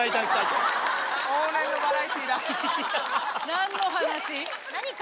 何の話？